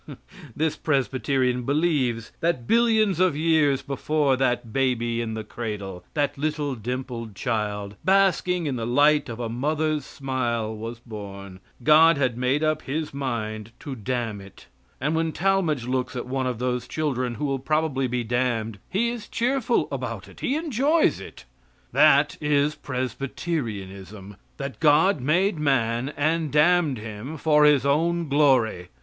This Presbyterian believes that billions of years before that baby in the cradle that little dimpled child, basking in the light of a mother's smile was born, God had made up His mind to damn it; and when Talmage looks at one of those children who will probably be damned he is cheerful about it; he enjoys it. That is Presbyterianism that God made man and damned him for His own glory.